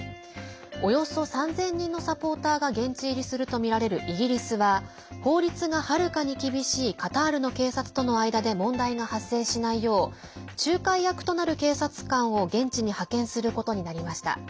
およそ３０００人のサポーターが現地入りするとみられるイギリスは法律がはるかに厳しいカタールの警察との間で問題が発生しないよう仲介役となる警察官を現地に派遣することになりました。